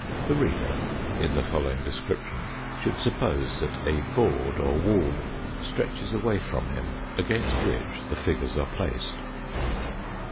The reader, in the following description, should suppose that a board or wall stretches away from him, against which the figures are placed.